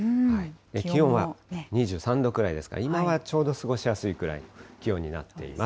気温は２３度くらいですから、今はちょうど過ごしやすいぐらいの気温になっています。